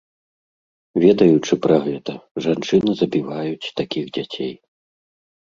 Ведаючы пра гэта, жанчыны забіваюць такіх дзяцей.